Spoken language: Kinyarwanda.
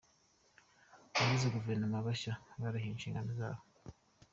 Abagize guverinoma bashya barahiriye inshingano zabo.